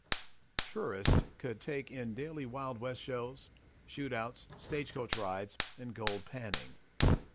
Trourist could take in dailey wild west shows, shootouts, stagecoach rides and gold panning.